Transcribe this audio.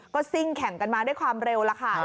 ก็ซิ่งแข่งกันมาด้วยความเร็วแล้วค่ะ